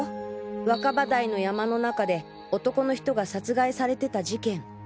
若葉台の山の中で男の人が殺害されてた事件。